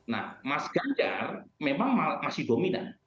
nah mas ganjar memang masih dominan